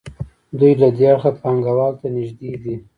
دوی له دې اړخه پانګوال ته نږدې دي.